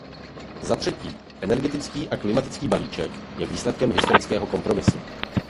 Zatřetí, energetický a klimatický balíček je výsledkem historického kompromisu.